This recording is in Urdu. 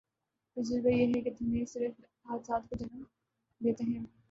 تجربہ یہ ہے کہ دھرنے صرف حادثات کو جنم دیتے ہیں۔